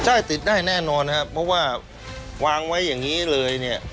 ใช่ติดได้แน่นอนครับเพราะว่าวางไว้อย่างนี้เลยเนี่ย